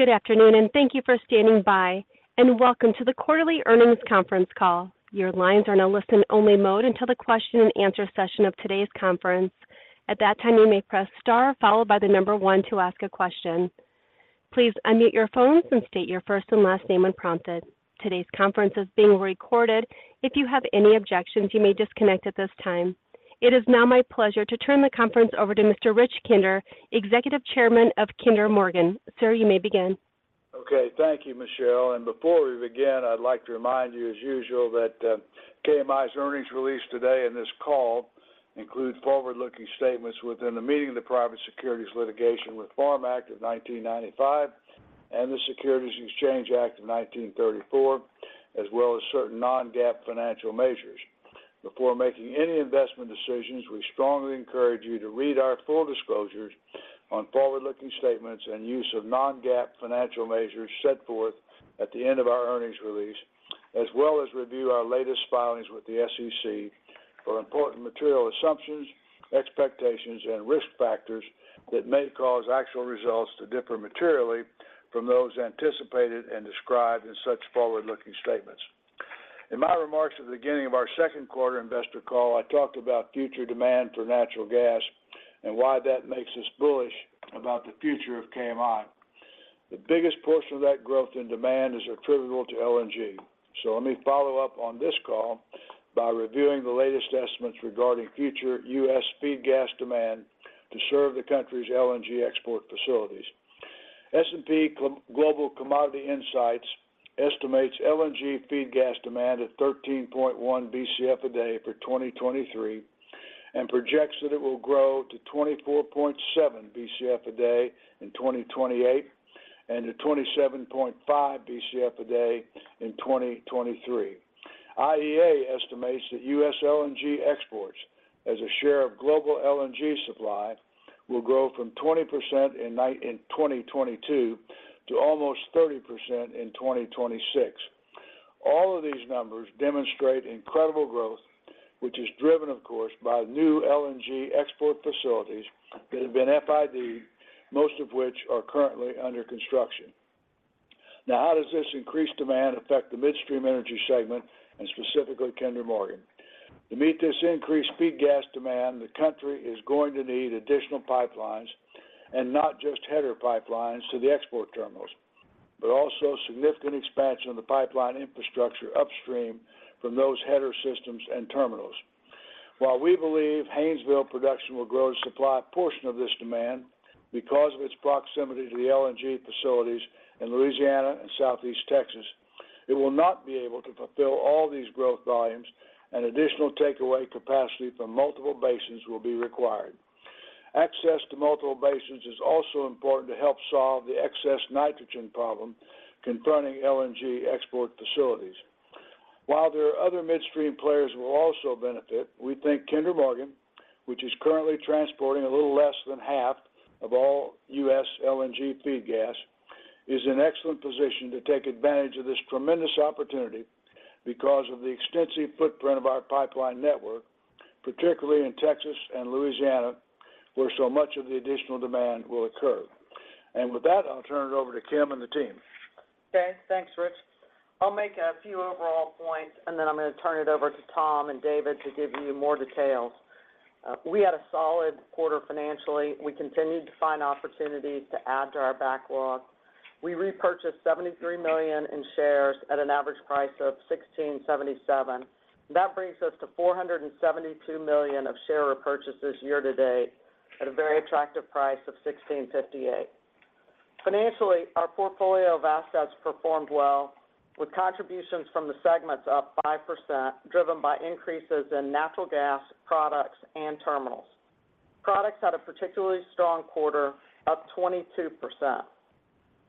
Good afternoon, and thank you for standing by, and welcome to the quarterly earnings conference call. Your lines are in a listen-only mode until the question-and-answer session of today's conference. At that time, you may press star followed by the number one to ask a question. Please unmute your phones and state your first and last name when prompted. Today's conference is being recorded. If you have any objections, you may disconnect at this time. It is now my pleasure to turn the conference over to Mr. Rich Kinder, Executive Chairman of Kinder Morgan. Sir, you may begin. Okay, thank you, Michelle. And before we begin, I'd like to remind you, as usual, that KMI's earnings release today and this call include forward-looking statements within the meaning of the Private Securities Litigation Reform Act of 1995 and the Securities Exchange Act of 1934, as well as certain non-GAAP financial measures. Before making any investment decisions, we strongly encourage you to read our full disclosures on forward-looking statements and use of non-GAAP financial measures set forth at the end of our earnings release, as well as review our latest filings with the SEC for important material assumptions, expectations, and risk factors that may cause actual results to differ materially from those anticipated and described in such forward-looking statements. In my remarks at the beginning of our second quarter investor call, I talked about future demand for natural gas and why that makes us bullish about the future of KMI. The biggest portion of that growth in demand is attributable to LNG. So let me follow up on this call by reviewing the latest estimates regarding future U.S. feed gas demand to serve the country's LNG export facilities. S&P Global Commodity Insights estimates LNG feed gas demand at 13.1 BCF a day for 2023, and projects that it will grow to 24.7 BCF a day in 2028 and to 27.5 BCF a day in 2023. IEA estimates that U.S. LNG exports as a share of global LNG supply will grow from 20% in 2022 to almost 30% in 2026. All of these numbers demonstrate incredible growth, which is driven, of course, by new LNG export facilities that have been FID, most of which are currently under construction. Now, how does this increased demand affect the midstream energy segment, and specifically, Kinder Morgan? To meet this increased feed gas demand, the country is going to need additional pipelines and not just header pipelines to the export terminals, but also significant expansion of the pipeline infrastructure upstream from those header systems and terminals. While we believe Haynesville production will grow to supply a portion of this demand because of its proximity to the LNG facilities in Louisiana and Southeast Texas, it will not be able to fulfill all these growth volumes, and additional takeaway capacity from multiple basins will be required. Access to multiple basins is also important to help solve the excess nitrogen problem confronting LNG export facilities. While there are other midstream players who will also benefit, we think Kinder Morgan, which is currently transporting a little less than half of all U.S. LNG feed gas, is in excellent position to take advantage of this tremendous opportunity because of the extensive footprint of our pipeline network, particularly in Texas and Louisiana, where so much of the additional demand will occur. With that, I'll turn it over to Kim and the team. Okay, thanks, Rich. I'll make a few overall points, and then I'm going to turn it over to Tom and David to give you more details. We had a solid quarter financially. We continued to find opportunities to add to our backlog. We repurchased $73 million in shares at an average price of $16.77. That brings us to $472 million of share repurchases year to date at a very attractive price of $16.58. Financially, our portfolio of assets performed well, with contributions from the segments up 5%, driven by increases in natural gas, products, and terminals. Products had a particularly strong quarter, up 22%.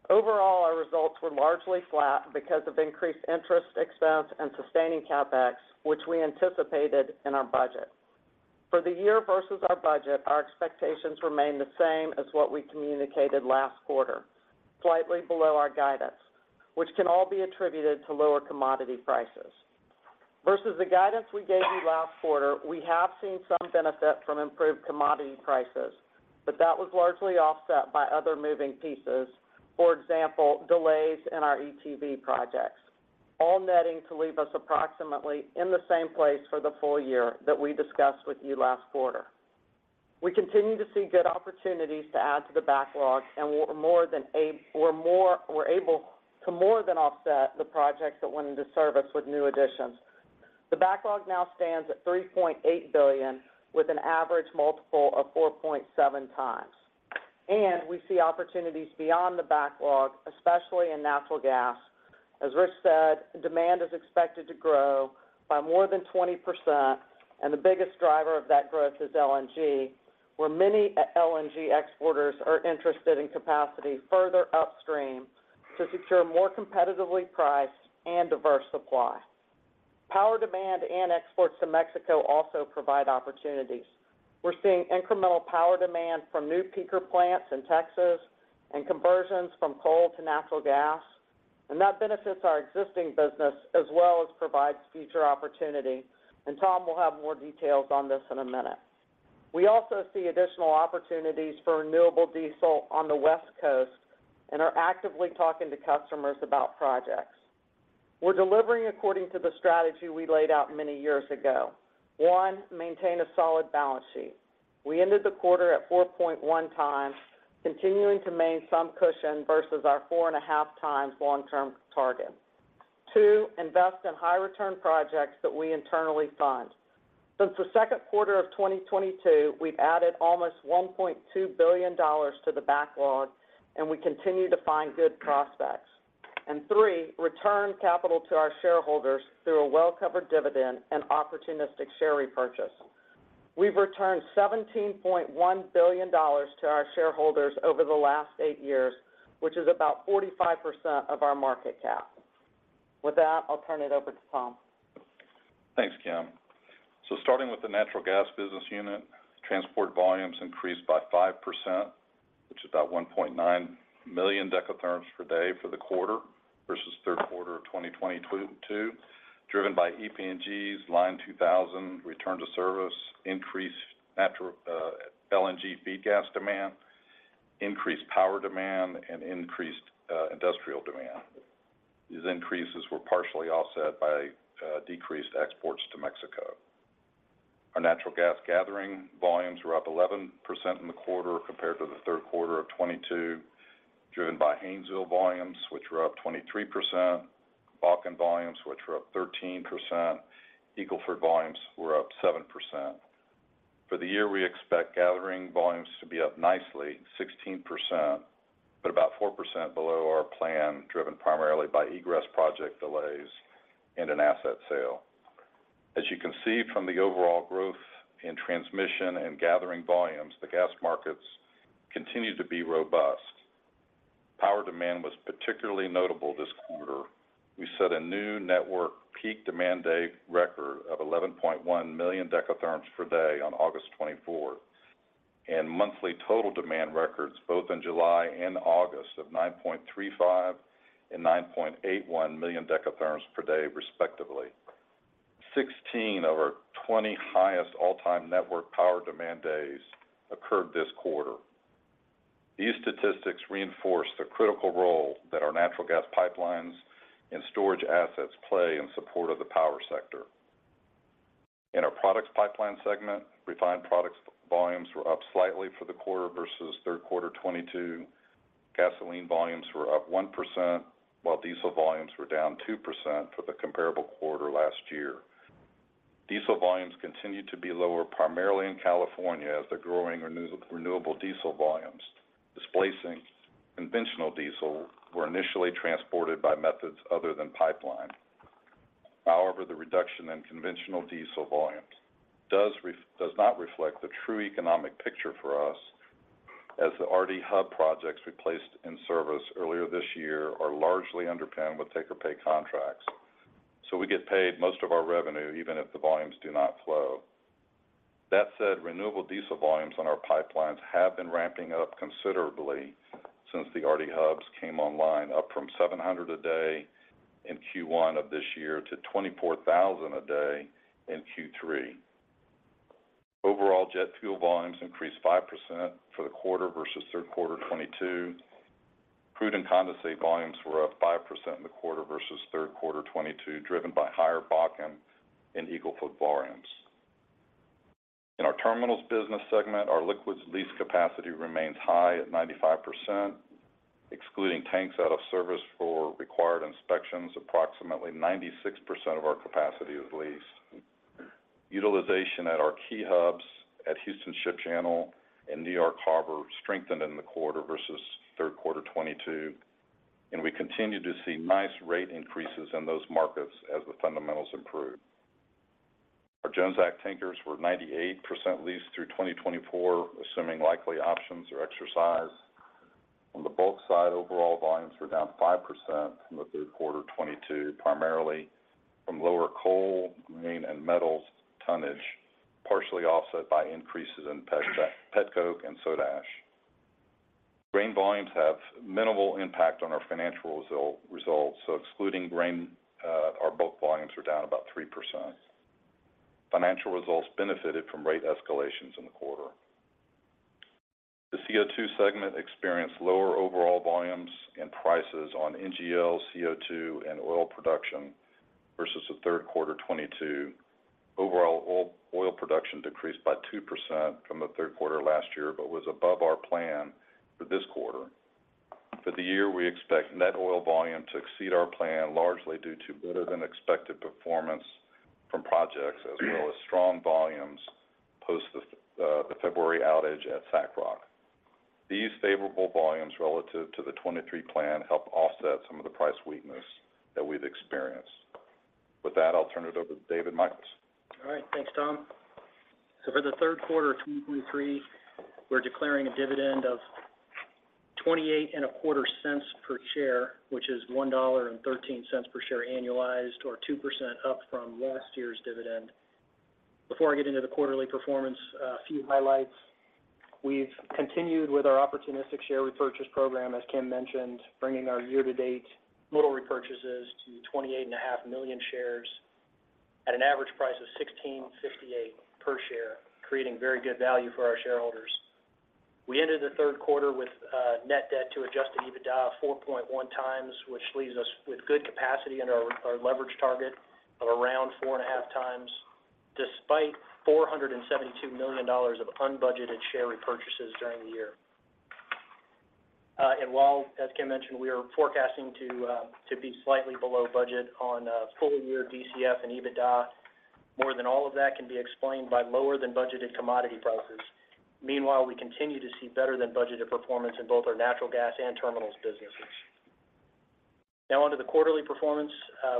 Overall, our results were largely flat because of increased interest expense and sustaining CapEx, which we anticipated in our budget. For the year versus our budget, our expectations remain the same as what we communicated last quarter, slightly below our guidance, which can all be attributed to lower commodity prices. Versus the guidance we gave you last quarter, we have seen some benefit from improved commodity prices, but that was largely offset by other moving pieces. For example, delays in our ETV projects, all netting to leave us approximately in the same place for the full year that we discussed with you last quarter. We continue to see good opportunities to add to the backlog, and we're more than able to more than offset the projects that went into service with new additions. The backlog now stands at $3.8 billion, with an average multiple of 4.7x. We see opportunities beyond the backlog, especially in natural gas. As Rich said, demand is expected to grow by more than 20%, and the biggest driver of that growth is LNG, where many LNG exporters are interested in capacity further upstream to secure more competitively priced and diverse supply. Power demand and exports to Mexico also provide opportunities. We're seeing incremental power demand from new peaker plants in Texas and conversions from coal to natural gas, and that benefits our existing business as well as provides future opportunity. Tom will have more details on this in a minute. We also see additional opportunities for renewable diesel on the West Coast and are actively talking to customers about projects. We're delivering according to the strategy we laid out many years ago. One, maintain a solid balance sheet. We ended the quarter at 4.1x, continuing to maintain some cushion versus our 4.5x long-term target. 2, invest in high return projects that we internally fund. Since the second quarter of 2022, we've added almost $1.2 billion to the backlog, and we continue to find good prospects. And 3, return capital to our shareholders through a well-covered dividend and opportunistic share repurchase. We've returned $17.1 billion to our shareholders over the last 8 years, which is about 45% of our market cap. With that, I'll turn it over to Tom. Thanks, Kim. So starting with the natural gas business unit, transport volumes increased by 5%, which is about 1.9 million dekatherms per day for the quarter versus third quarter of 2022, driven by EPNG's Line 2000 return to service, increased natural, LNG feed gas demand, increased power demand, and increased industrial demand. These increases were partially offset by decreased exports to Mexico. Our natural gas gathering volumes were up 11% in the quarter compared to the third quarter of 2022, driven by Haynesville volumes, which were up 23%, Bakken volumes, which were up 13%, Eagle Ford volumes were up 7%. For the year, we expect gathering volumes to be up nicely, 16%, but about 4% below our plan, driven primarily by egress project delays and an asset sale. As you can see from the overall growth in transmission and gathering volumes, the gas markets continue to be robust. Power demand was particularly notable this quarter. We set a new network peak demand day record of 11.1 million dekatherms per day on August 24, and monthly total demand records both in July and August of 9.35 and 9.81 million dekatherms per day, respectively. Sixteen of our 20 highest all-time network power demand days occurred this quarter. These statistics reinforce the critical role that our natural gas pipelines and storage assets play in support of the power sector. In our products pipeline segment, refined products volumes were up slightly for the quarter versus third quarter 2022. Gasoline volumes were up 1%, while diesel volumes were down 2% for the comparable quarter last year. Diesel volumes continued to be lower, primarily in California, as the growing renewable diesel volumes, displacing conventional diesel, were initially transported by methods other than pipeline. However, the reduction in conventional diesel volumes does not reflect the true economic picture for us, as the RD hub projects we placed in service earlier this year are largely underpinned with take-or-pay contracts. So we get paid most of our revenue, even if the volumes do not flow. That said, renewable diesel volumes on our pipelines have been ramping up considerably since the RD hubs came online, up from 700 a day in Q1 of this year to 24,000 a day in Q3. Overall, jet fuel volumes increased 5% for the quarter versus third quarter 2022. Crude and condensate volumes were up 5% in the quarter versus third quarter 2022, driven by higher Bakken and Eagle Ford volumes. In our terminals business segment, our liquids lease capacity remains high at 95%, excluding tanks out of service for required inspections, approximately 96% of our capacity is leased. Utilization at our key hubs at Houston Ship Channel and New York Harbor strengthened in the quarter versus third quarter 2022, and we continue to see nice rate increases in those markets as the fundamentals improve. Our Jones Act tankers were 98% leased through 2024, assuming likely options are exercised. On the bulk side, overall volumes were down 5% from the third quarter 2022, primarily from lower coal, grain, and metals tonnage, partially offset by increases in pet coke and soda ash. Grain volumes have minimal impact on our financial result, results, so excluding grain, our bulk volumes are down about 3%. Financial results benefited from rate escalations in the quarter. The CO2 segment experienced lower overall volumes and prices on NGL, CO2, and oil production versus the third quarter 2022. Overall, oil production decreased by 2% from the third quarter last year, but was above our plan for this quarter. For the year, we expect net oil volume to exceed our plan, largely due to better-than-expected performance from projects, as well as strong volumes post the February outage at SACROC. These favorable volumes relative to the 2023 plan help offset some of the price weakness that we've experienced. With that, I'll turn it over to David Michels. All right. Thanks, Tom. So for the third quarter of 2023, we're declaring a dividend of $0.2825 per share, which is $1.13 per share, annualized, or 2% up from last year's dividend. Before I get into the quarterly performance, a few highlights. We've continued with our opportunistic share repurchase program, as Kim mentioned, bringing our year-to-date total repurchases to 28.5 million shares at an average price of $16.58 per share, creating very good value for our shareholders. We ended the third quarter with net debt to adjusted EBITDA of 4.1x, which leaves us with good capacity under our leverage target of around 4.5x, despite $472 million of unbudgeted share repurchases during the year. And while, as Kim mentioned, we are forecasting to be slightly below budget on full year DCF and EBITDA, more than all of that can be explained by lower than budgeted commodity prices. Meanwhile, we continue to see better than budgeted performance in both our natural gas and terminals businesses. Now, on to the quarterly performance.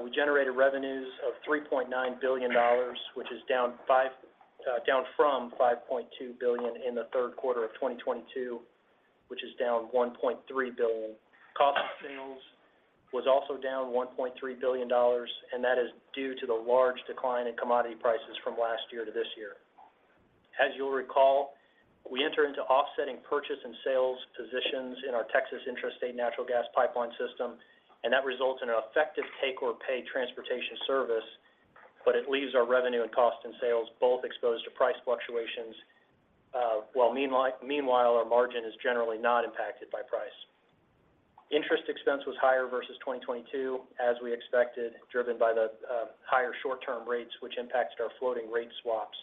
We generated revenues of $3.9 billion, which is down five, down from $5.2 billion in the third quarter of 2022, which is down $1.3 billion. Cost of sales was also down $1.3 billion, and that is due to the large decline in commodity prices from last year to this year. As you'll recall, we entered into offsetting purchase and sales positions in our Texas intrastate natural gas pipeline system, and that results in an effective take-or-pay transportation service, but it leaves our revenue and cost of sales both exposed to price fluctuations. While, meanwhile, our margin is generally not impacted by price. Interest expense was higher versus 2022, as we expected, driven by the higher short-term rates, which impacted our floating rate swaps.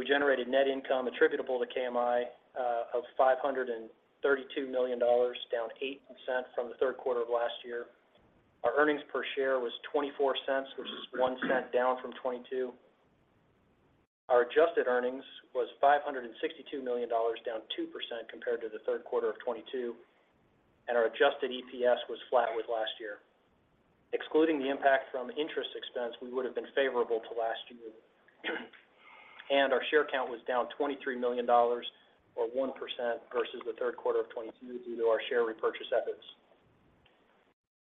We generated net income attributable to KMI of $532 million, down 8% from the third quarter of last year. Our earnings per share was $0.24, which is $0.01 down from $0.22. Our adjusted earnings was $562 million, down 2% compared to the third quarter of 2022, and our adjusted EPS was flat with last year. Excluding the impact from interest expense, we would have been favorable to last year. Our share count was down $23 million, or 1% versus the third quarter of 2022, due to our share repurchase efforts.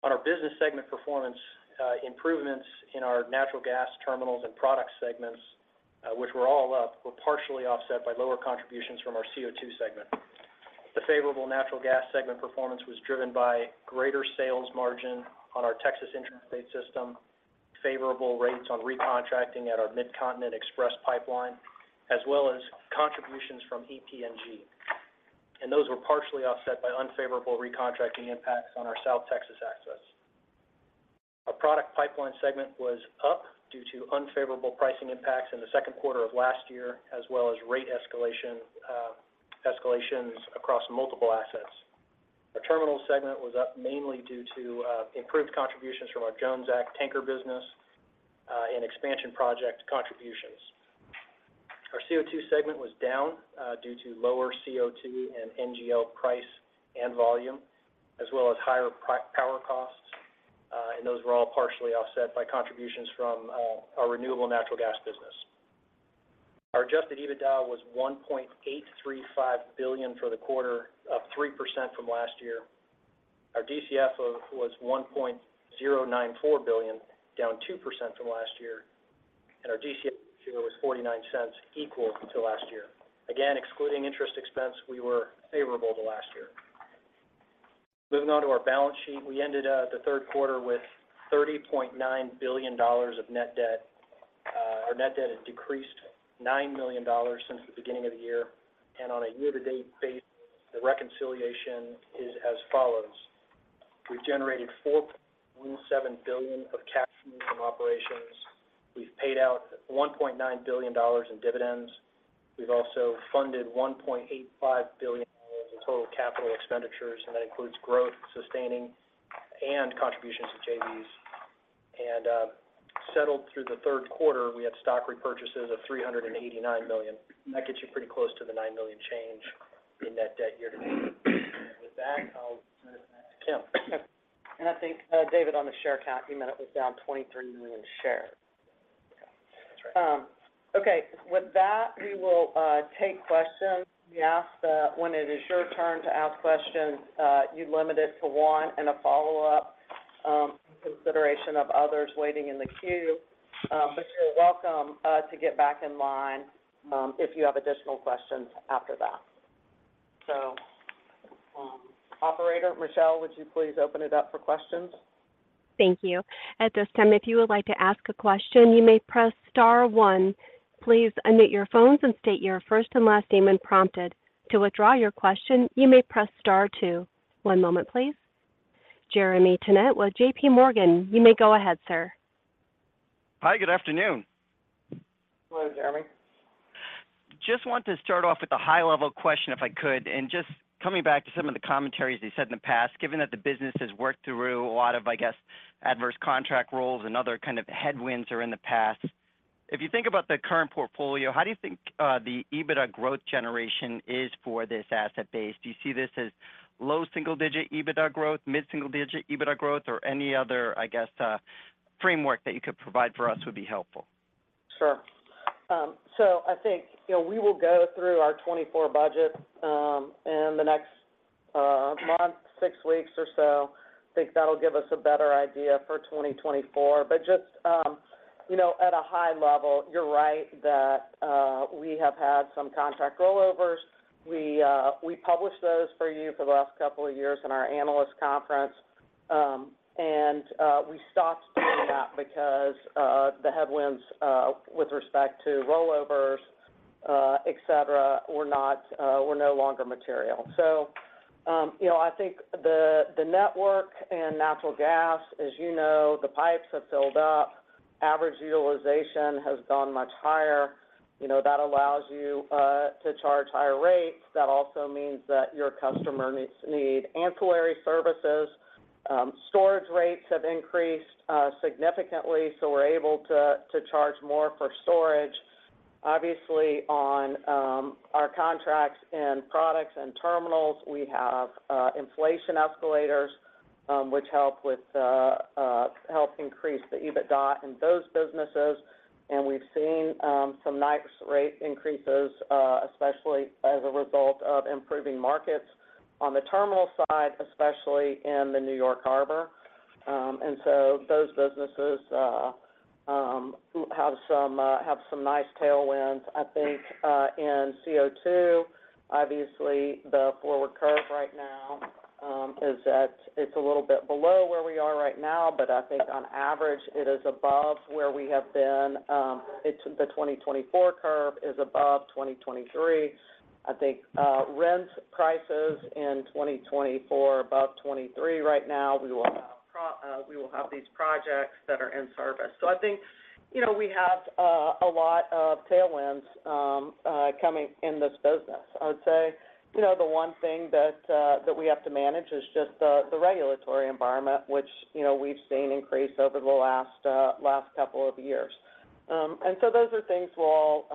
On our business segment performance, improvements in our natural gas terminals and product segments, which were all up, were partially offset by lower contributions from our CO2 segment. The favorable natural gas segment performance was driven by greater sales margin on our Texas intrastate system, favorable rates on recontracting at our Midcontinent Express Pipeline, as well as contributions from EPNG. Those were partially offset by unfavorable recontracting impacts on our South Texas assets. Our product pipeline segment was up due to unfavorable pricing impacts in the second quarter of last year, as well as rate escalations across multiple assets. Our terminal segment was up mainly due to improved contributions from our Jones Act tanker business and expansion project contributions. Our CO2 segment was down due to lower CO2 and NGL price and volume, as well as higher power costs. And those were all partially offset by contributions from our renewable natural gas business. Our adjusted EBITDA was $1.835 billion for the quarter, up 3% from last year. Our DCF was $1.094 billion, down 2% from last year, and our DCF was $0.49, equal to last year. Again, excluding interest expense, we were favorable to last year. Moving on to our balance sheet. We ended the third quarter with $30.9 billion of net debt. Our net debt has decreased $9 million since the beginning of the year, and on a year-to-date basis, the reconciliation is as follows: We've generated $4.17 billion of cash from operations. We've paid out $1.9 billion in dividends. We've also funded $1.85 billion in total capital expenditures, and that includes growth, sustaining, and contributions to JVs. Settled through the third quarter, we had stock repurchases of $389 million. That gets you pretty close to the $9 million change in net debt year to date. With that, I'll turn it back to Kim. I think, David, on the share count, you meant it was down 23 million shares. Yeah, that's right. Okay. With that, we will take questions. We ask that when it is your turn to ask questions, you limit it to one and a follow-up, consideration of others waiting in the queue. But you're welcome to get back in line if you have additional questions after that. So, operator Michelle, would you please open it up for questions? Thank you. At this time, if you would like to ask a question, you may press star one. Please unmute your phones and state your first and last name when prompted. To withdraw your question, you may press star two. One moment, please. Jeremy Tonet with JP Morgan, you may go ahead, sir. Hi, good afternoon. Hello, Jeremy. Just want to start off with a high-level question, if I could. Just coming back to some of the commentaries you said in the past, given that the business has worked through a lot of, I guess, adverse contract roles and other kind of headwinds are in the past. If you think about the current portfolio, how do you think, the EBITDA growth generation is for this asset base? Do you see this as low single-digit EBITDA growth, mid-single digit EBITDA growth, or any other, I guess, framework that you could provide for us would be helpful? Sure. So I think, you know, we will go through our 2024 budget, in the next six weeks or so. I think that'll give us a better idea for 2024. But just, you know, at a high level, you're right that, we have had some contract rollovers. We, we published those for you for the last couple of years in our analyst conference, and, we stopped doing that because, the headwinds, with respect to rollovers, et cetera, were not, were no longer material. So, you know, I think the, the network and natural gas, as you know, the pipes have filled up. Average utilization has gone much higher. You know, that allows you, to charge higher rates. That also means that your customers need ancillary services. Storage rates have increased significantly, so we're able to charge more for storage. Obviously, on our contracts and products and terminals, we have inflation escalators, which help increase the EBITDA in those businesses. We've seen some nice rate increases, especially as a result of improving markets on the terminal side, especially in the New York Harbor. And so those businesses have some nice tailwinds. I think in CO2, obviously, the forward curve right now is that it's a little bit below where we are right now, but I think on average, it is above where we have been. The 2024 curve is above 2023. I think rent prices in 2024 are above 2023 right now. We will have these projects that are in service. So I think, you know, we have a lot of tailwinds coming in this business. I would say, you know, the one thing that we have to manage is just the regulatory environment, which, you know, we've seen increase over the last couple of years. And so those are things we'll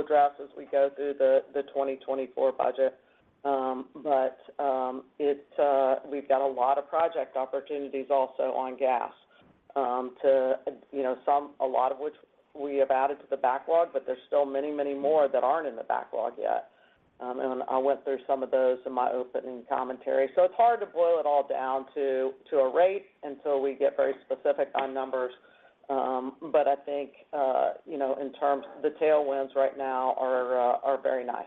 address as we go through the 2024 budget. But it's, we've got a lot of project opportunities also on gas, to, you know, some, a lot of which we have added to the backlog, but there's still many, many more that aren't in the backlog yet. And I went through some of those in my opening commentary. It's hard to boil it all down to a rate until we get very specific on numbers. I think, you know, in terms, the tailwinds right now are very nice.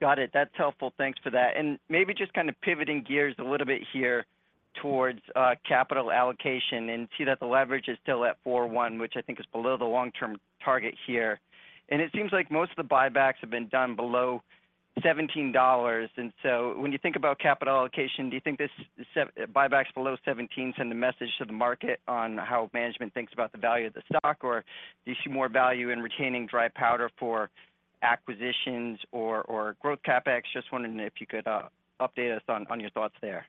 Got it. That's helpful. Thanks for that. And maybe just kind of pivoting gears a little bit here towards capital allocation and see that the leverage is still at 4.1, which I think is below the long-term target here. And it seems like most of the buybacks have been done below $17. And so when you think about capital allocation, do you think this buybacks below $17 send a message to the market on how management thinks about the value of the stock, or do you see more value in retaining dry powder for acquisitions or growth CapEx? Just wondering if you could update us on your thoughts there.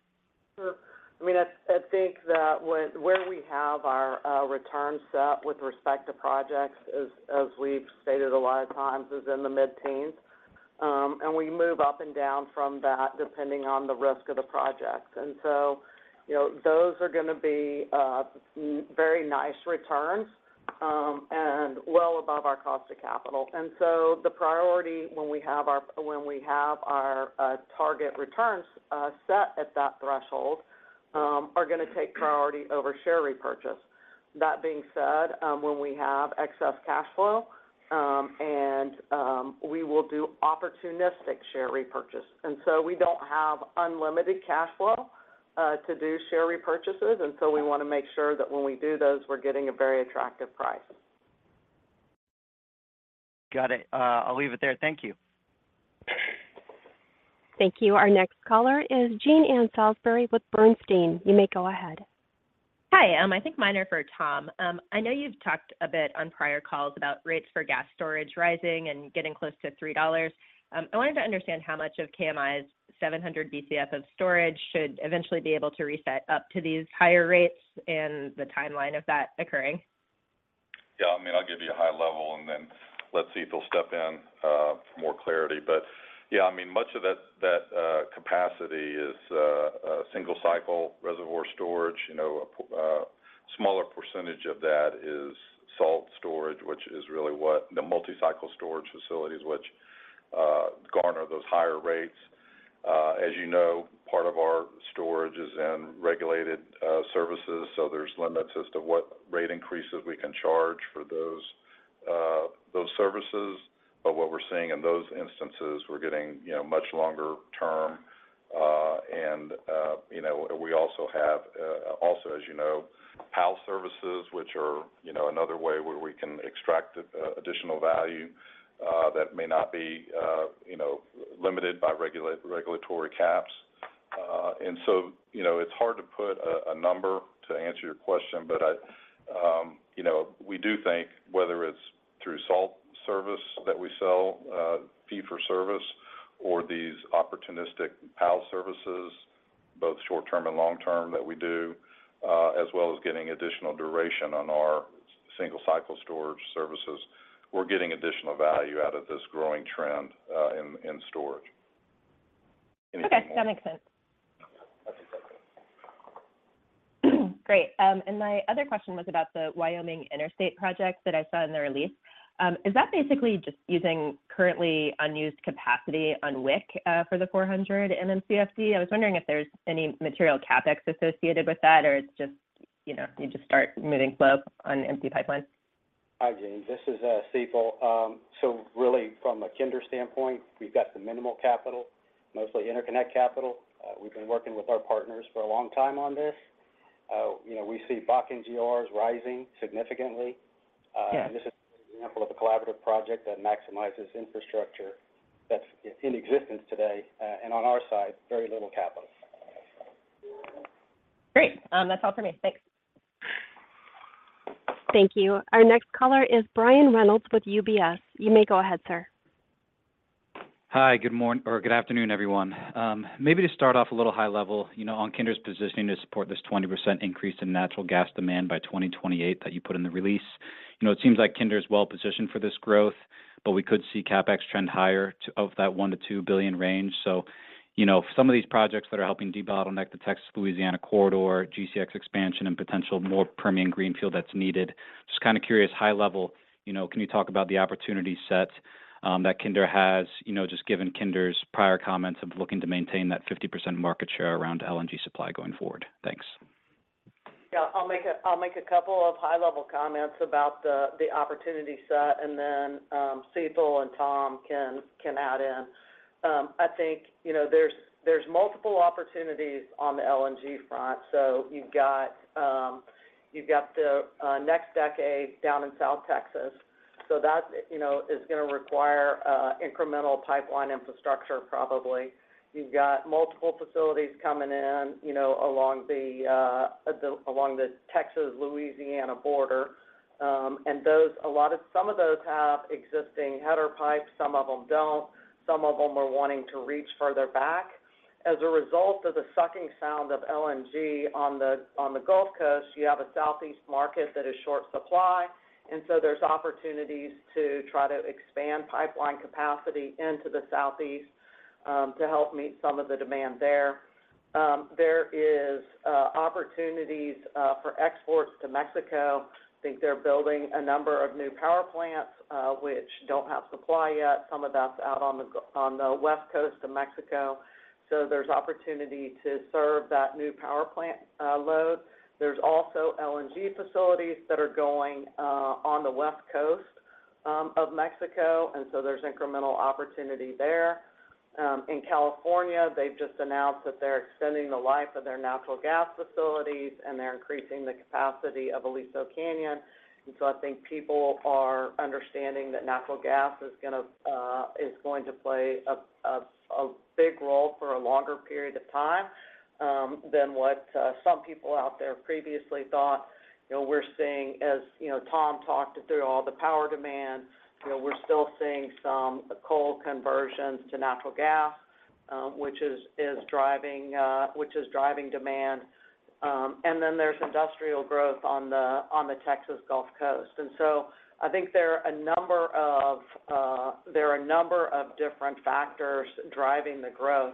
Sure. I mean, I think that where we have our return set with respect to projects, as we've stated a lot of times, is in the mid-teens. And we move up and down from that depending on the risk of the project. And so, you know, those are gonna be very nice returns, and well above our cost of capital. And so the priority when we have our target returns set at that threshold are gonna take priority over share repurchase. That being said, when we have excess cash flow, and we will do opportunistic share repurchase. And so we don't have unlimited cash flow to do share repurchases, and so we want to make sure that when we do those, we're getting a very attractive price. Got it. I'll leave it there. Thank you. Thank you. Our next caller is Jean Ann Salisbury with Bernstein. You may go ahead. Hi. I think mine are for Tom. I know you've talked a bit on prior calls about rates for gas storage rising and getting close to $3. I wanted to understand how much of KMI's 700 BCF of storage should eventually be able to reset up to these higher rates and the timeline of that occurring. Yeah, I mean, I'll give you a high level, and then let Steve step in for more clarity. But yeah, I mean, much of that capacity is a single cycle reservoir storage. You know, a smaller percentage of that is salt storage, which is really what the multi-cycle storage facilities, which garner those higher rates. As you know, part of our storage is in regulated services, so there's limits as to what rate increases we can charge for those services. But what we're seeing in those instances, we're getting, you know, much longer term. And, you know, we also have, as you know, PAL services, which are, you know, another way where we can extract additional value that may not be, you know, limited by regulatory caps. And so, you know, it's hard to put a number to answer your question, but I, you know, we do think whether it's through salt service that we sell, fee for service, or these opportunistic PAL services, both short-term and long-term, that we do, as well as getting additional duration on our single cycle storage services, we're getting additional value out of this growing trend in storage. Anything more- Okay, that makes sense.... Great. And my other question was about the Wyoming Interstate project that I saw in the release. Is that basically just using currently unused capacity on WIC for the 400 MMcf/d? I was wondering if there's any material CapEx associated with that, or it's just, you know, you just start moving flow on an empty pipeline. Hi, Jean Ann, this is Sital. So really from a Kinder standpoint, we've got the minimal capital, mostly interconnect capital. You know, we see Bakken GOR rising significantly. Yeah. This is an example of a collaborative project that maximizes infrastructure that's in existence today, and on our side, very little capital. Great. That's all for me. Thanks. Thank you. Our next caller is Brian Reynolds with UBS. You may go ahead, sir. Hi, good morning or good afternoon, everyone. Maybe to start off a little high level, you know, on Kinder's positioning to support this 20% increase in natural gas demand by 2028 that you put in the release. You know, it seems like Kinder is well positioned for this growth, but we could see CapEx trend higher to of that $1 to 2 billion range. So, you know, some of these projects that are helping debottleneck the Texas-Louisiana Corridor, GCX expansion, and potential more Permian greenfield that's needed. Just kind of curious, high level, you know, can you talk about the opportunity set, that Kinder has, you know, just given Kinder's prior comments of looking to maintain that 50% market share around LNG supply going forward? Thanks. Yeah. I'll make a couple of high-level comments about the opportunity set, and then Sital and Tom can add in. I think, you know, there's multiple opportunities on the LNG front. So you've got the NextDecade down in South Texas, so that, you know, is gonna require incremental pipeline infrastructure, probably. You've got multiple facilities coming in, you know, along the Texas-Louisiana border. And those—a lot of—some of those have existing header pipes, some of them don't. Some of them are wanting to reach further back. As a result of the sucking sound of LNG on the Gulf Coast, you have a Southeast market that is short supply, and so there's opportunities to try to expand pipeline capacity into the Southeast to help meet some of the demand there. There is opportunities for exports to Mexico. I think they're building a number of new power plants, which don't have supply yet. Some of that's out on the West Coast of Mexico. So there's opportunity to serve that new power plant load. There's also LNG facilities that are going on the West Coast of Mexico, and so there's incremental opportunity there. In California, they've just announced that they're extending the life of their natural gas facilities, and they're increasing the capacity of Aliso Canyon. And so I think people are understanding that natural gas is gonna, is going to play a big role for a longer period of time, than what some people out there previously thought. You know, we're seeing, as you know, Tom talked through all the power demand, you know, we're still seeing some coal conversions to natural gas, which is driving demand. And then there's industrial growth on the Texas Gulf Coast. And so I think there are a number of different factors driving the growth,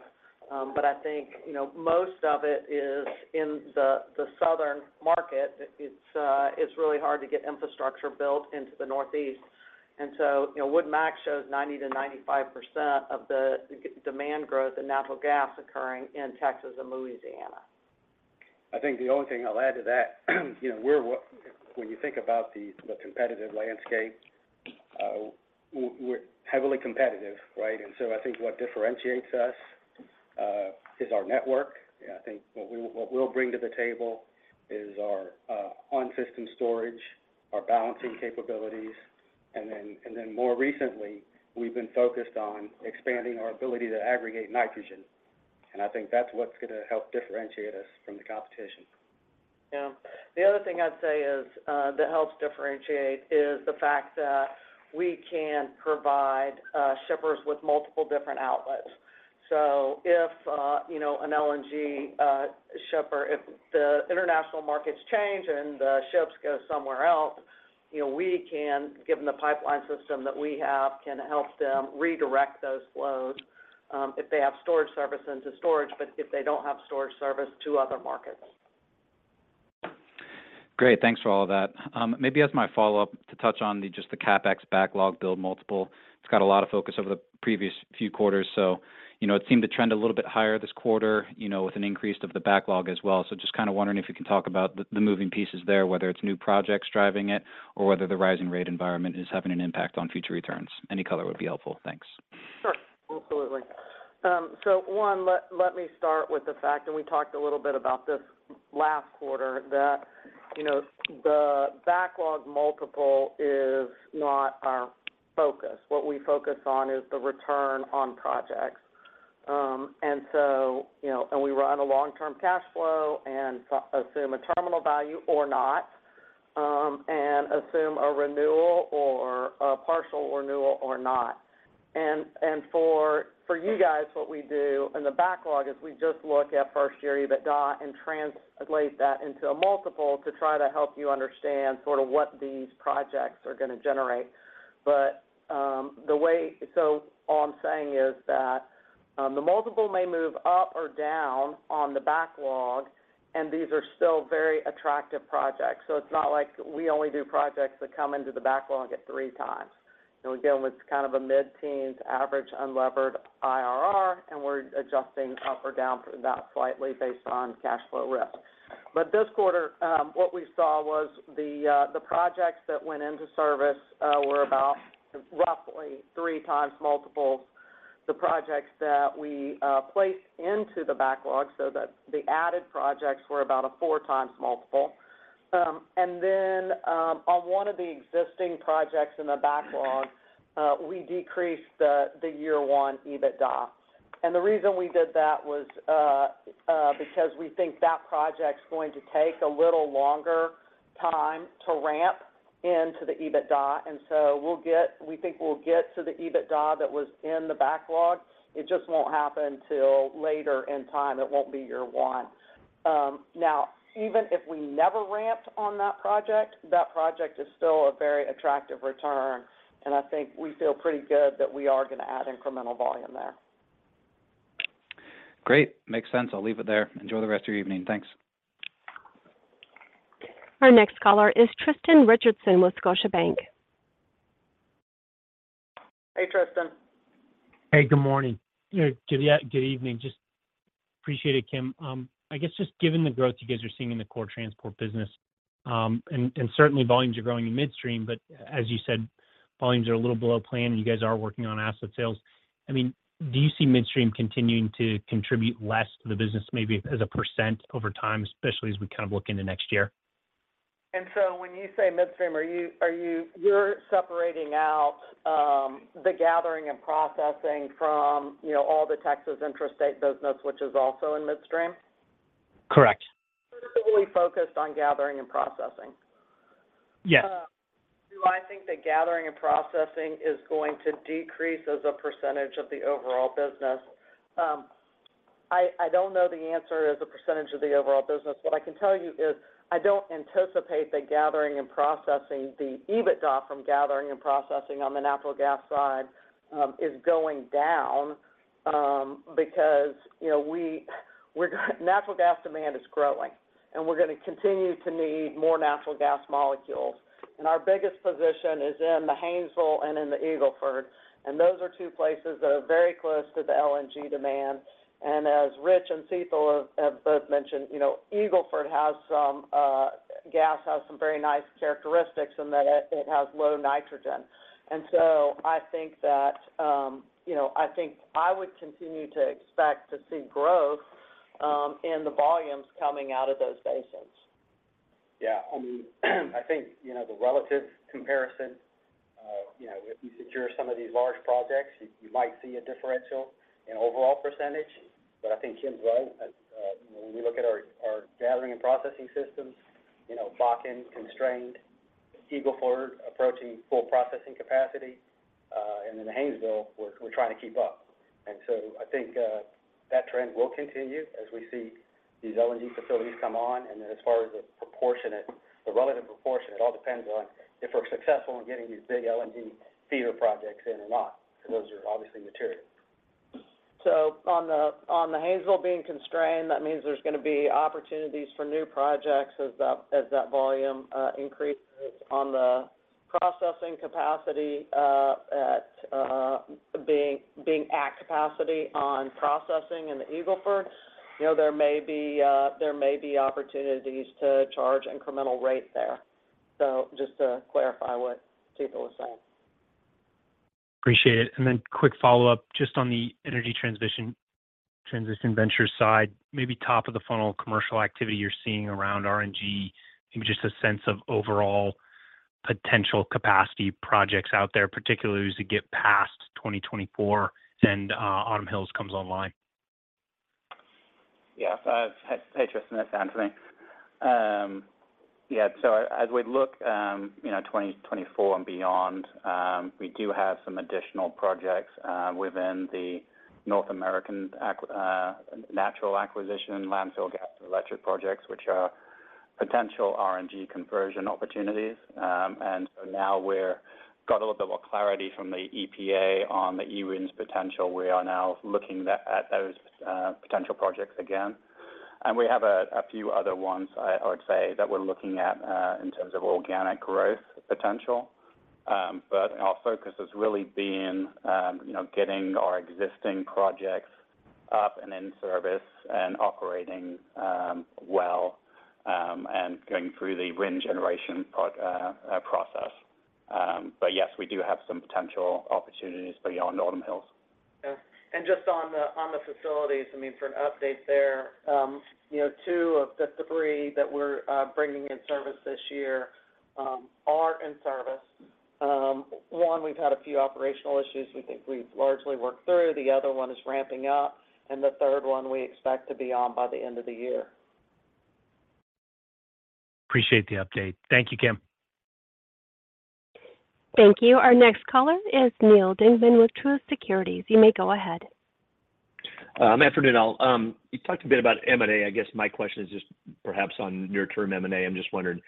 but I think, you know, most of it is in the southern market. It's really hard to get infrastructure built into the Northeast. You know, Wood Mackenzie shows 90%-95% of the gas demand growth in natural gas occurring in Texas and Louisiana. I think the only thing I'll add to that, you know, we're what—when you think about the competitive landscape, we're heavily competitive, right? And so I think what differentiates us is our network. I think what we, what we'll bring to the table is our on-system storage, our balancing capabilities, and then, and then more recently, we've been focused on expanding our ability to aggregate nitrogen. And I think that's what's gonna help differentiate us from the competition. Yeah. The other thing I'd say is, that helps differentiate is the fact that we can provide, shippers with multiple different outlets. So if, you know, an LNG, shipper, if the international markets change and the ships go somewhere else, you know, we can, given the pipeline system that we have, can help them redirect those flows, if they have storage services, into storage, but if they don't have storage service, to other markets. Great. Thanks for all of that. Maybe as my follow-up, to touch on just the CapEx backlog build multiple. It's got a lot of focus over the previous few quarters, so you know, it seemed to trend a little bit higher this quarter, you know, with an increase of the backlog as well. So just kind of wondering if you can talk about the moving pieces there, whether it's new projects driving it, or whether the rising rate environment is having an impact on future returns. Any color would be helpful. Thanks. Sure. Absolutely. So one, let me start with the fact, and we talked a little bit about this last quarter, that, you know, the backlog multiple is not our focus. What we focus on is the return on projects. And so. You know, and we run a long-term cash flow and assume a terminal value or not, and assume a renewal or a partial renewal or not. And for you guys, what we do in the backlog is we just look at first year EBITDA and translate that into a multiple to try to help you understand sort of what these projects are gonna generate. But the way. So all I'm saying is that. The multiple may move up or down on the backlog, and these are still very attractive projects. So it's not like we only do projects that come into the backlog at 3x. And we're dealing with kind of a mid-teens average unlevered IRR, and we're adjusting up or down from that slightly based on cash flow risk. But this quarter, what we saw was the projects that went into service were about roughly 3x multiples. The projects that we placed into the backlog, so that the added projects were about a 4x multiple. And then, on one of the existing projects in the backlog, we decreased the year one EBITDA. And the reason we did that was, because we think that project's going to take a little longer time to ramp into the EBITDA. And so we'll get—we think we'll get to the EBITDA that was in the backlog. It just won't happen till later in time. It won't be year one. Now, even if we never ramped on that project, that project is still a very attractive return, and I think we feel pretty good that we are going to add incremental volume there. Great. Makes sense. I'll leave it there. Enjoy the rest of your evening. Thanks. Our next caller is Tristan Richardson with Scotiabank. Hey, Tristan. Hey, good morning. Good evening. Just appreciate it, Kim. I guess just given the growth you guys are seeing in the core transport business, and certainly volumes are growing in midstream, but as you said, volumes are a little below plan, you guys are working on asset sales. I mean, do you see midstream continuing to contribute less to the business, maybe as a percent over time, especially as we kind of look into next year? So when you say midstream, are you separating out the gathering and processing from, you know, all the Texas intrastate business, which is also in midstream? Correct. Specifically focused on gathering and processing. Yes. Do I think that gathering and processing is going to decrease as a percentage of the overall business? I don't know the answer as a percentage of the overall business. What I can tell you is I don't anticipate that gathering and processing, the EBITDA from gathering and processing on the natural gas side, is going down, because, you know, natural gas demand is growing, and we're going to continue to need more natural gas molecules. And our biggest position is in the Haynesville and in the Eagle Ford, and those are two places that are very close to the LNG demand. And as Rich and Sital have both mentioned, you know, Eagle Ford has some gas, has some very nice characteristics in that it has low nitrogen. So I think that, you know, I think I would continue to expect to see growth in the volumes coming out of those basins. Yeah, I mean, I think, you know, the relative comparison, you know, if you secure some of these large projects, you might see a differential in overall percentage. But I think Kim's right. When we look at our gathering and processing systems, you know, Bakken constrained, Eagle Ford approaching full processing capacity, and then the Haynesville, we're trying to keep up. And so I think that trend will continue as we see these LNG facilities come on. And then as far as the proportionate, the relative proportion, it all depends on if we're successful in getting these big LNG feeder projects in or not, because those are obviously material. So on the Haynesville being constrained, that means there's going to be opportunities for new projects as that volume increases. On the processing capacity being at capacity on processing in the Eagle Ford, you know, there may be opportunities to charge incremental rate there. So just to clarify what Cecil was saying. Appreciate it. Then quick follow-up, just on the energy transition ventures side, maybe top of the funnel commercial activity you're seeing around RNG and just a sense of overall potential capacity projects out there, particularly as you get past 2024 and Autumn Hills comes online. Yeah. Hey, Tristan, it's Anthony. Yeah, so as we look, you know, 2024 and beyond, we do have some additional projects within the North American acquisition, landfill gas to electric projects, which are potential RNG conversion opportunities. And so now we've got a little bit more clarity from the EPA on the D-3 RINs potential. We are now looking at those potential projects again. And we have a few other ones I would say that we're looking at in terms of organic growth potential. But our focus has really been, you know, getting our existing projects up and in service and operating well and going through the RIN generation part, process. But yes, we do have some potential opportunities beyond Autumn Hills. Yeah. And just on the, on the facilities, I mean, for an update there, you know, two of the three that we're bringing in service this year, are in service. One, we've had a few operational issues we think we've largely worked through. The other one is ramping up, and the third one we expect to be on by the end of the year. Appreciate the update. Thank you, Kim. Thank you. Our next caller is Neil Dingmann with Truist Securities. You may go ahead.... Afternoon, all. You talked a bit about M&A. I guess my question is just perhaps on near-term M&A. I'm just wondering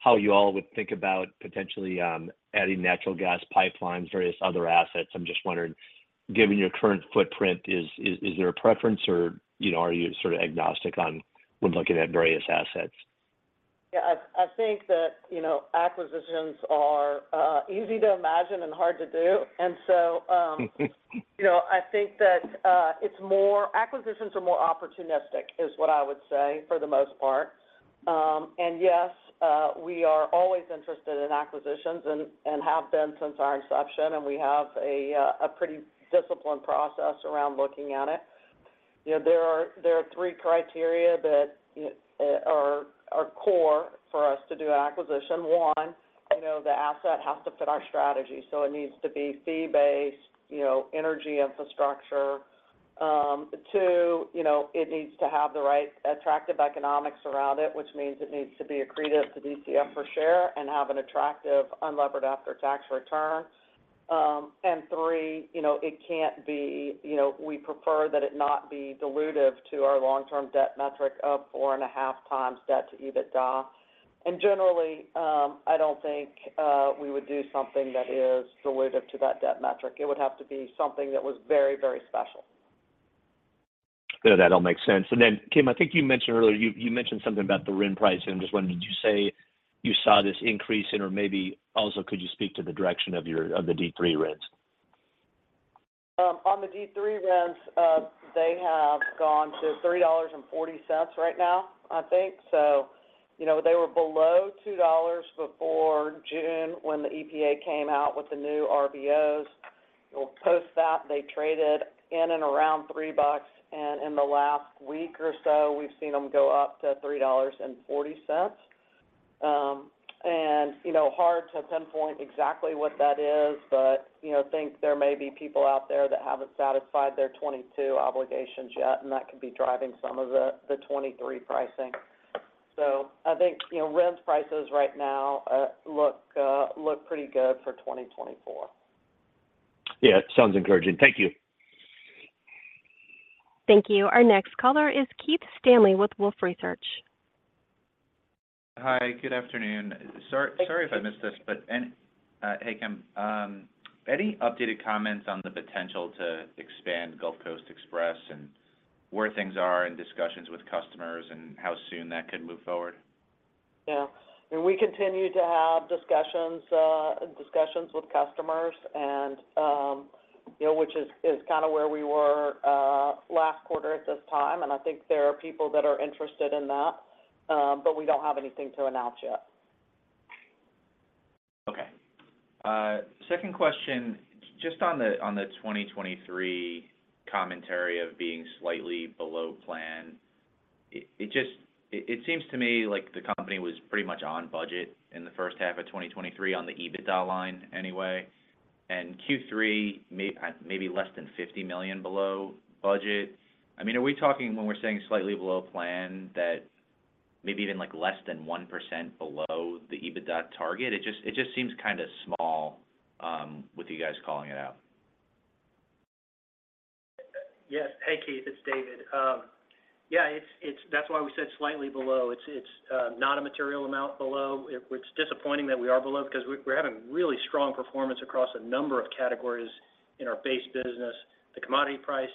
how you all would think about potentially, adding natural gas pipelines, various other assets? I'm just wondering, given your current footprint, is there a preference or, you know, are you sort of agnostic on when looking at various assets? Yeah, I think that, you know, acquisitions are easy to imagine and hard to do. And so, you know, I think that, it's more, acquisitions are more opportunistic, is what I would say for the most part. And yes, we are always interested in acquisitions and have been since our inception, and we have a pretty disciplined process around looking at it. You know, there are three criteria that are core for us to do an acquisition. One, you know, the asset has to fit our strategy, so it needs to be fee-based, you know, energy infrastructure. Two, you know, it needs to have the right attractive economics around it, which means it needs to be accretive to DCF per share and have an attractive unlevered after-tax return. And three, you know, it can't be, you know, we prefer that it not be dilutive to our long-term debt metric of 4.5 times debt to EBITDA. And generally, I don't think we would do something that is dilutive to that debt metric. It would have to be something that was very, very special. Good. That all makes sense. And then, Kim, I think you mentioned earlier, you mentioned something about the RIN price. I'm just wondering, did you say you saw this increase in, or maybe also, could you speak to the direction of the D-3 RINs? On the D-3 RINs, they have gone to $3.40 right now, I think. So, you know, they were below $2 before June, when the EPA came out with the new RVOs. Post that, they traded in and around three bucks, and in the last week or so, we've seen them go up to $3.40. And you know, hard to pinpoint exactly what that is, but, you know, think there may be people out there that haven't satisfied their 2022 obligations yet, and that could be driving some of the, the 2023 pricing. So I think, you know, RINs prices right now, look, look pretty good for 2024. Yeah, it sounds encouraging. Thank you. Thank you. Our next caller is Keith Stanley with Wolfe Research. Hi, good afternoon. Sorry if I missed this, but hey, Kim, any updated comments on the potential to expand Gulf Coast Express and where things are in discussions with customers, and how soon that could move forward? Yeah. I mean, we continue to have discussions with customers and, you know, which is kind of where we were last quarter at this time. And I think there are people that are interested in that, but we don't have anything to announce yet. Okay. Second question, just on the 2023 commentary of being slightly below plan, it just seems to me like the company was pretty much on budget in the first half of 2023 on the EBITDA line anyway. And Q3, maybe less than $50 million below budget. I mean, are we talking when we're saying slightly below plan, that maybe even like less than 1% below the EBITDA target? It just seems kind of small, with you guys calling it out. Yes. Hey, Keith, it's David. Yeah, it's-- that's why we said slightly below. It's not a material amount below. It's disappointing that we are below because we're having really strong performance across a number of categories in our base business. The commodity price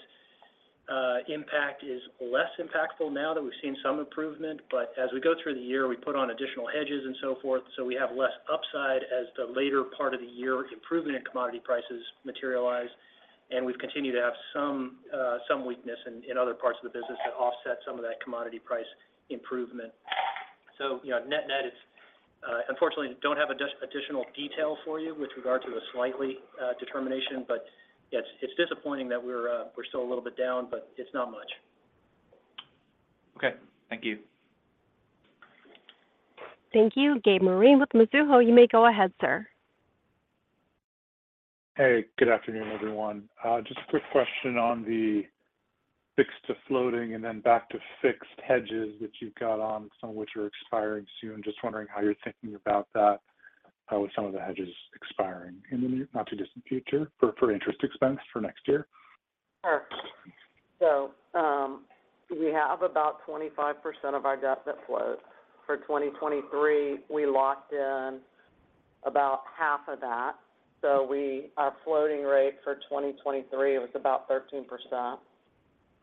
impact is less impactful now that we've seen some improvement. But as we go through the year, we put on additional hedges and so forth, so we have less upside as the later part of the year improvement in commodity prices materialize. And we've continued to have some weakness in other parts of the business that offset some of that commodity price improvement. So, you know, net-net, it's unfortunately don't have additional detail for you with regard to a slightly determination. But yes, it's disappointing that we're still a little bit down, but it's not much. Okay. Thank you. Thank you. Gabe Moreen with Mizuho. You may go ahead, sir. Hey, good afternoon, everyone. Just a quick question on the fixed to floating and then back to fixed hedges, which you've got on some of which are expiring soon. Just wondering how you're thinking about that, with some of the hedges expiring in the near, not-too-distant future for interest expense for next year? Sure. So, we have about 25% of our debt that floats. For 2023, we locked in about half of that. So our floating rate for 2023 was about 13%.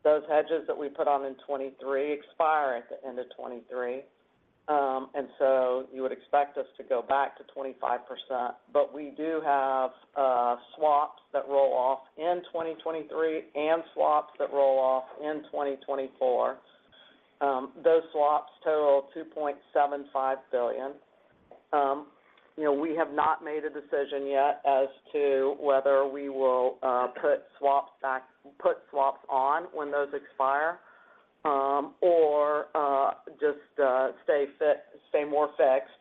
Those hedges that we put on in 2023 expire at the end of 2023. And so you would expect us to go back to 25%. But we do have swaps that roll off in 2023 and swaps that roll off in 2024. Those swaps total $2.75 billion. You know, we have not made a decision yet as to whether we will put swaps on when those expire, or just stay more fixed.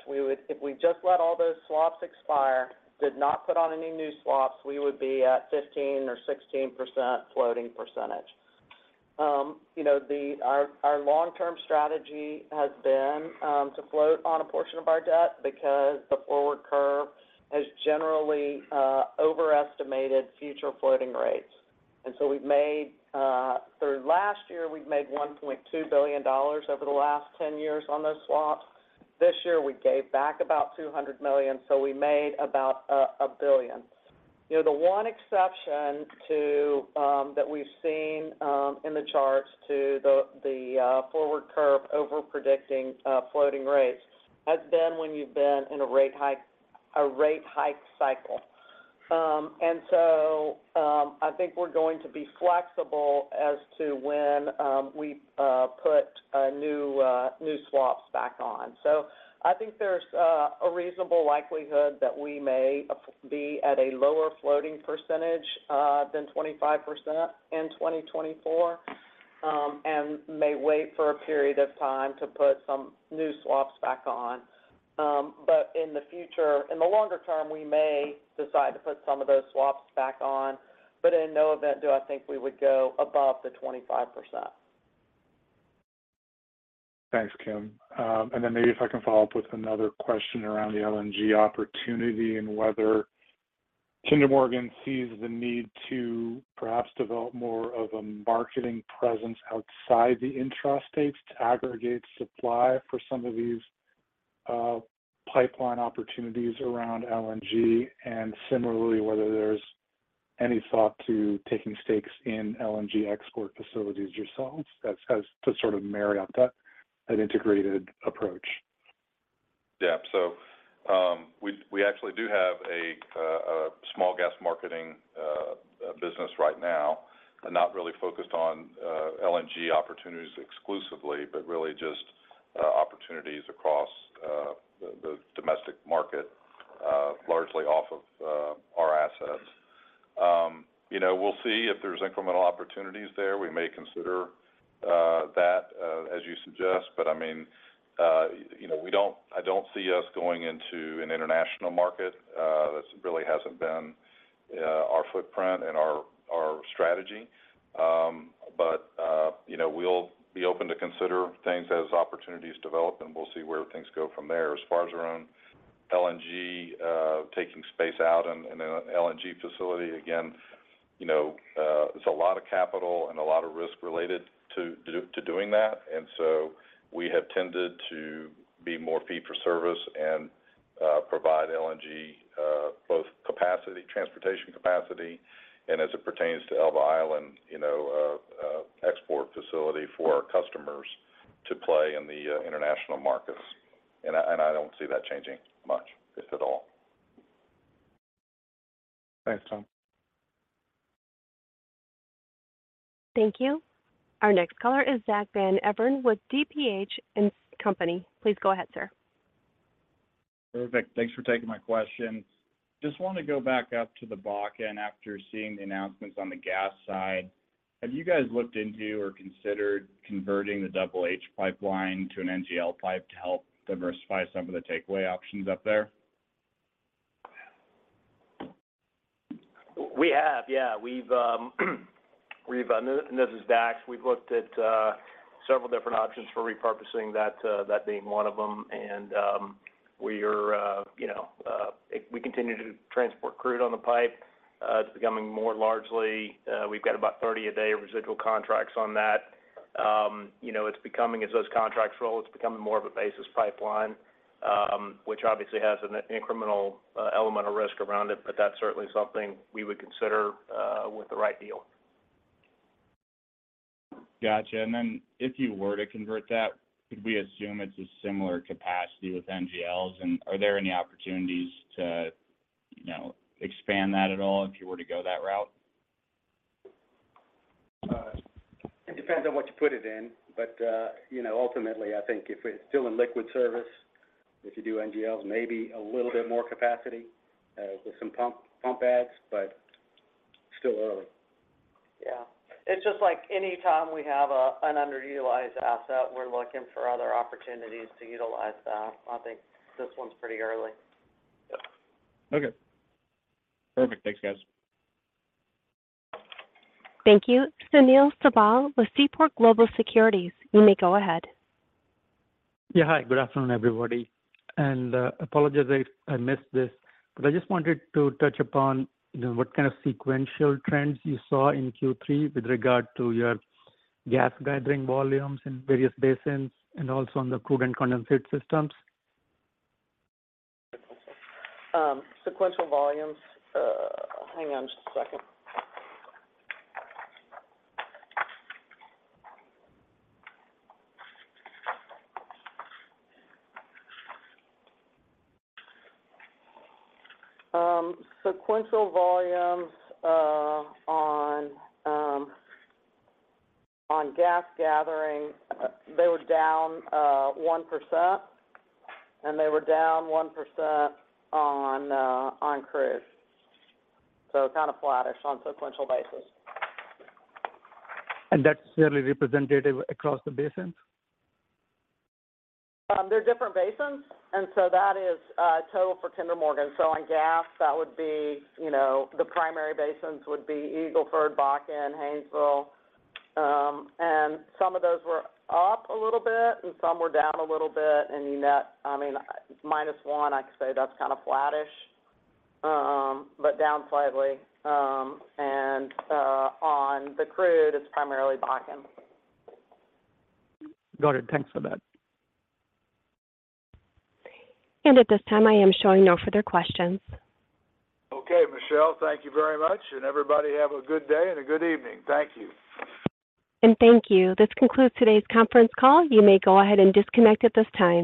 If we just let all those swaps expire, did not put on any new swaps, we would be at 15%-16% floating percentage. You know, our long-term strategy has been to float on a portion of our debt because the forward curve has generally overestimated future floating rates… And so we've made, through last year, we've made $1.2 billion over the last 10 years on those swaps. This year, we gave back about $200 million, so we made about $1 billion. You know, the one exception to that we've seen in the charts to the forward curve over-predicting floating rates has been when you've been in a rate hike cycle. I think we're going to be flexible as to when we put new swaps back on. So I think there's a reasonable likelihood that we may be at a lower floating percentage than 25% in 2024, and may wait for a period of time to put some new swaps back on. But in the future, in the longer term, we may decide to put some of those swaps back on, but in no event do I think we would go above the 25%. Thanks, Kim. And then maybe if I can follow up with another question around the LNG opportunity and whether Kinder Morgan sees the need to perhaps develop more of a marketing presence outside the intrastates to aggregate supply for some of these pipeline opportunities around LNG, and similarly, whether there's any thought to taking stakes in LNG export facilities yourselves, to sort of marry up that integrated approach? Yeah. So, we actually do have a small gas marketing business right now, and not really focused on LNG opportunities exclusively, but really just opportunities across the domestic market, largely off of our assets. You know, we'll see if there's incremental opportunities there. We may consider that as you suggest, but I mean, you know, we don't—I don't see us going into an international market. That really hasn't been our footprint and our strategy. But you know, we'll be open to consider things as opportunities develop, and we'll see where things go from there. As far as around LNG taking space out in an LNG facility, again, you know, there's a lot of capital and a lot of risk related to doing that. And so we have tended to be more fee for service and provide LNG both capacity, transportation capacity, and as it pertains to Elba Island, you know, export facility for our customers to play in the international markets. And I, and I don't see that changing much, if at all. Thanks, Tom. Thank you. Our next caller is Zack Van Everen with TPH & Co. Please go ahead, sir. Perfect. Thanks for taking my question. Just want to go back up to the Bakken after seeing the announcements on the gas side. Have you guys looked into or considered converting the Double H Pipeline to an NGL pipe to help diversify some of the takeaway options up there? We have, yeah. We've looked at several different options for repurposing, that being one of them. And this is Dax. We are, you know, we continue to transport crude on the pipe. It's becoming more largely, we've got about 30 a day of residual contracts on that. You know, it's becoming, as those contracts roll, it's becoming more of a basis pipeline, which obviously has an incremental element of risk around it, but that's certainly something we would consider with the right deal. Gotcha. And then if you were to convert that, could we assume it's a similar capacity with NGLs? And are there any opportunities to, you know, expand that at all, if you were to go that route? It depends on what you put it in, but, you know, ultimately, I think if it's still in liquid service, if you do NGLs, maybe a little bit more capacity with some pump adds, but still early. Yeah. It's just like anytime we have an underutilized asset, we're looking for other opportunities to utilize that. I think this one's pretty early. Okay. Perfect. Thanks, guys. Thank you. Sunil Sibal with Seaport Global Securities, you may go ahead. Yeah. Hi, good afternoon, everybody. And, apologize if I missed this, but I just wanted to touch upon, you know, what kind of sequential trends you saw in Q3 with regard to your gas gathering volumes in various basins and also on the crude and condensate systems? Sequential volumes? Hang on just a second. Sequential volumes on gas gathering, they were down 1%, and they were down 1% on crude. So kind of flattish on sequential basis. That's fairly representative across the basins? They're different basins, and so that is total for Kinder Morgan. So on gas, that would be, you know, the primary basins would be Eagle Ford, Bakken, Haynesville. And some of those were up a little bit, and some were down a little bit. And you net, I mean, minus 1, I'd say that's kind of flattish, but down slightly. And on the crude, it's primarily Bakken. Got it. Thanks for that. At this time, I am showing no further questions. Okay. Michelle, thank you very much, and everybody have a good day and a good evening. Thank you. Thank you. This concludes today's conference call. You may go ahead and disconnect at this time.